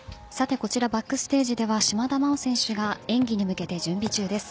こちら、バックステージでは島田麻央選手が演技に向けて準備中です。